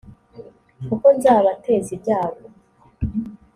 kuko nzabateza ibyago